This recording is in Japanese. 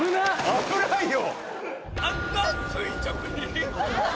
危ないよ。